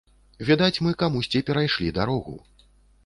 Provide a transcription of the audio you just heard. Відаць, мы камусьці перайшлі дарогу.